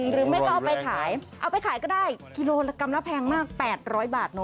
หรือไม่ก็เอาไปขายเอาไปขายก็ได้กิโลกรัมละแพงมาก๘๐๐บาทเนอ